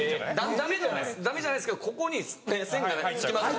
ダメじゃないですけどここに線がねつきますよね。